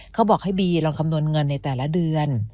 เขาบอกให้บีลองคำนวณเงินในแต่ละเดือน